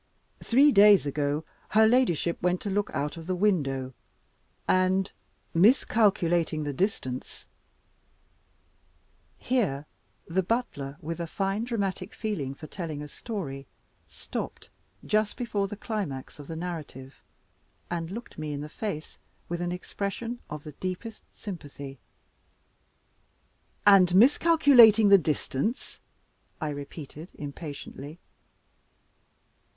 Three days ago, her ladyship went to look out of the window, and, miscalculating the distance " Here the butler, with a fine dramatic feeling for telling a story, stopped just before the climax of the narrative, and looked me in the face with an expression of the deepest sympathy. "And miscalculating the distance?" I repeated impatiently.